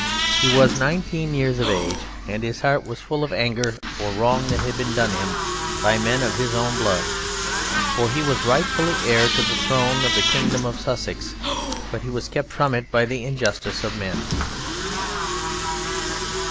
He was nineteen years of age and his heart was full of anger for wrong that had been done him by men of his own blood. For he was rightfully heir to the throne of the kingdom of Sussex, but he was kept from it by the injustice of men.